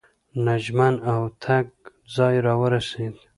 نمجن او تنګ ځای راورسېد.